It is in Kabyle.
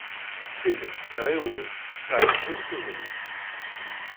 Ttxil-k, ɣiwel, teɛjel tegnit.